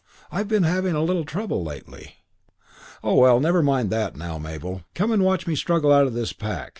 I've been having a little trouble lately " "Oh, well, never mind that now, Mabel. Come and watch me struggle out of this pack.